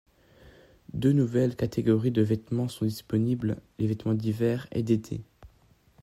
Deux nouvelles catégories de vêtements sont disponibles, les vêtements d'hiver et d'été.